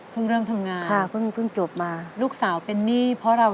พึ่งเรื่องทางงานลูกสาวเป็นหนี้เพราะเรา